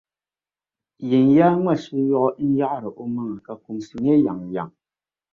Yinyaa ŋma shi’ yuɣu n-yaɣiri omaŋa ka kumsi nyɛ yaŋyaŋ.